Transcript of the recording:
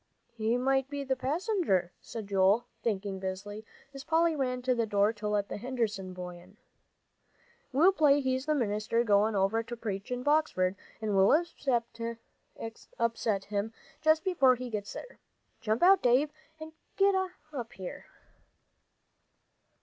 "He might be the passenger," said Joel, thinking busily, as Polly ran to the door to let the Henderson boy in. "We'll play he's the minister goin' over to preach in Boxford, and we'll upset him just before he gets there. Jump out, Dave, and get up here."